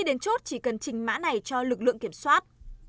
để cần trình mã này cho lực lượng kiểm soát